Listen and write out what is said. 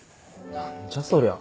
何じゃそりゃ。